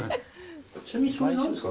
ちなみに、それなんですか？